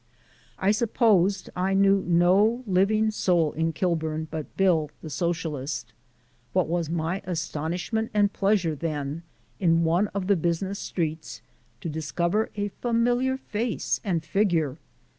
I supposed I knew no living soul in Kilburn but Bill the Socialist. What was my astonishment and pleasure, then in one of the business streets to discover a familiar face and figure.